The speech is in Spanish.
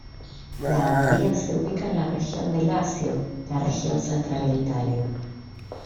La abadía se ubica en la región de Lacio, la región central de Italia.